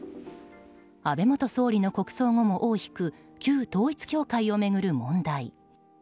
安倍元総理の国葬後も尾を引く旧統一教会を巡る問題。